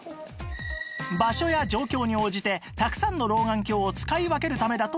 場所や状況に応じてたくさんの老眼鏡を使い分けるためだといいます